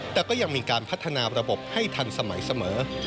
แต่ก็ยังมีการพัฒนาระบบให้ทันสมัยเสมอ